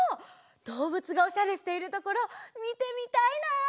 どうぶつがおしゃれしているところみてみたいな！